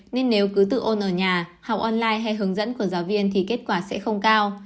nên nếu cứ tự ôn ở nhà học online hay hướng dẫn của giáo viên thì kết quả sẽ không cao